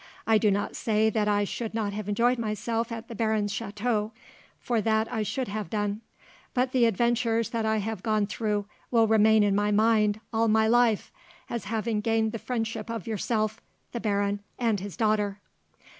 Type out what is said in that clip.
I do not say that I should not have enjoyed myself at the baron's chateau, for that I should have done; but the adventures that I have gone through will remain in my mind, all my life, as having gained the friendship of yourself, the baron, and his daughter."